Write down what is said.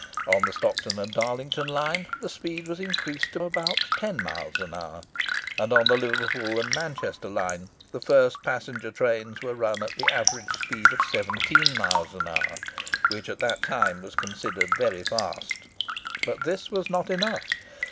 On the Stockton and Darlington line the speed was increased to about ten miles an hour; and on the Liverpool and Manchester line the first passenger trains were run at the average speed of seventeen miles an hour, which at that time was considered very fast. But this was not enough.